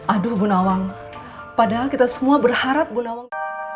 aduh bu nawang padahal kita semua berharap bu nawang